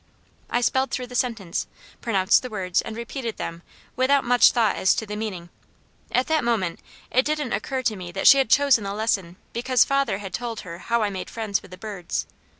I spelled through the sentence, pronounced the words and repeated them without much thought as to the meaning; at that moment it didn't occur to me that she had chosen the lesson because father had told her how I made friends with the birds.